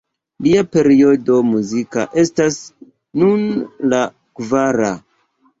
Lia periodo muzika estas nun la kvara.